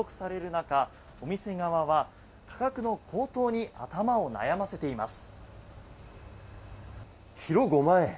中お店側は価格の高騰に頭を悩ませています。